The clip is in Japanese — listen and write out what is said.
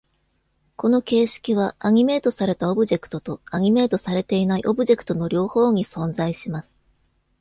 この形式は、アニメートされたオブジェクトとアニメートされていないオブジェクトの両方に存在します。